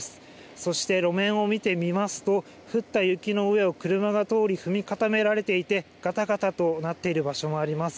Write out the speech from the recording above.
そして、路面を見てみますと、降った雪の上を車が通り、踏み固められていて、がたがたとなっている場所もあります。